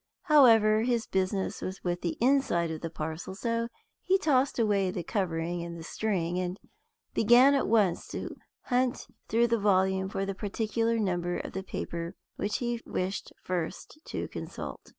However, his business was with the inside of the parcel; so he tossed away the covering and the string, and began at once to hunt through the volume for the particular number of the paper which he wished first to consult.